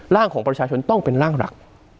ร่างของประชาชนต้องเป็นร่างหลัก